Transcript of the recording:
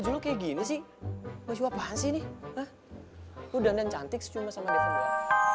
lu dandan cantik secuma sama dia berdua